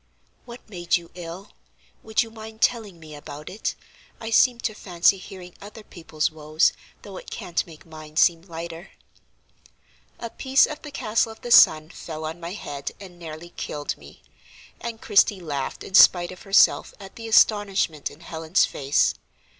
"What made you ill? Would you mind telling me about it? I seem to fancy hearing other people's woes, though it can't make mine seem lighter." "A piece of the Castle of the Sun fell on my head and nearly killed me," and Christie laughed in spite of herself at the astonishment in Helen's face.